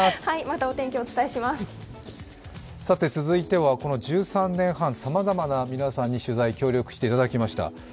続いてはこの１３年半、さまざまな皆さんに取材を協力していただきました。